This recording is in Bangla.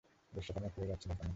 বেশ্যাখানায় ফিরে যাচ্ছ না কেন?